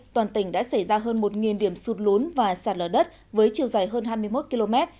toàn tỉnh đã xảy ra hơn một điểm sụt lún và sạt lở đất với chiều dài hơn hai mươi một km